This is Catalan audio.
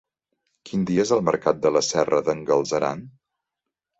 Quin dia és el mercat de la Serra d'en Galceran?